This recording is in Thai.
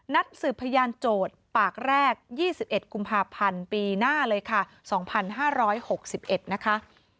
สืบพยานโจทย์ปากแรก๒๑กุมภาพันธ์ปีหน้าเลยค่ะ๒๕๖๑นะคะ